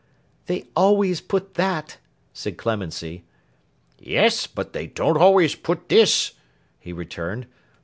'They always put that,' said Clemency. 'Yes, but they don't always put this,' he returned.